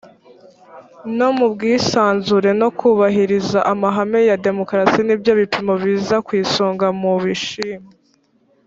no mu bwisanzure no kubahirizaamahame ya demokarasi nibyo bipimo biza ku isonga mu bishimwa